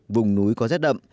vùng núi có rét đậm